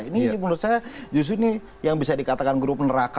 ini menurut saya justru ini yang bisa dikatakan grup neraka